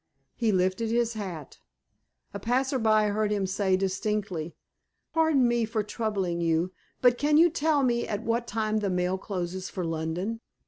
He lifted his hat. A passer by heard him say distinctly: "Pardon me for troubling you, but can you tell me at what time the mail closes for London?"